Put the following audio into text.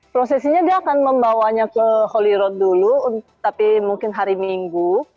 prosesinya dia akan membawanya ke holly road dulu tapi mungkin hari minggu